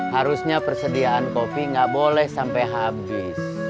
harusnya persediaan kopi nggak boleh sampai habis